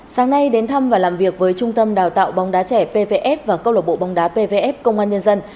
sáng nay đến thăm và làm việc với trung tâm đào tạo bóng đá trẻ pvf và câu lộng bộ bóng đá pvf công an nhân dân